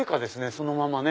そのまま。